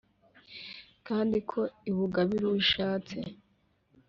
kandi ko ibugabira uwo ishatse